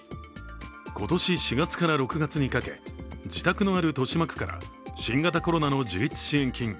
今年４月から６月にかけ、自宅のある豊島区から新型コロナの自立支援金